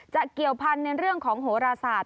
เกี่ยวพันธุ์ในเรื่องของโหราศาสต